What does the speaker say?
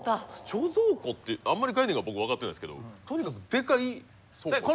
貯蔵庫ってあんまり概念が僕分かってないですけどとにかくでかい倉庫？